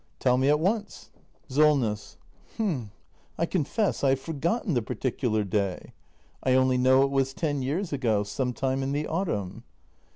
Tell me at once! SOLNESS. H'm — I confess I have forgotten the particular day. I only know it was ten years ago. Some time in the autumn.